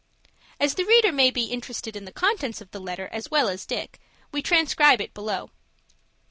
As the reader may be interested in the contents of the letter as well as Dick, we transcribe it below.